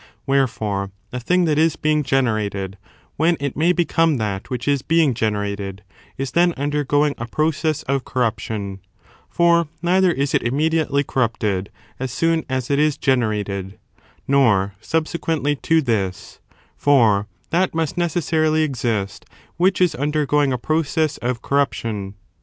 Wherefore, a f^j^ubfect thing that is being generated, when it may become that which is being generated, is then undergoing a process of corruption ; for neither is it immediately corrupted as soon as it is generated, nor subsequently to this ; for that must necessarily exist which is imdergoing a process of cor ruption.